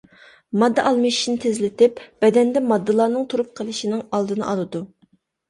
ماددا ئالمىشىشنى تېزلىتىپ، بەدەندە ماددىلارنىڭ تۇرۇپ قېلىشىنىڭ ئالدىنى ئالىدۇ.